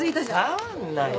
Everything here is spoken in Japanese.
触んなよ